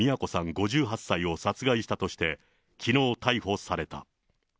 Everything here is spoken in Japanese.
５８歳を殺害したとして、きのう逮捕された。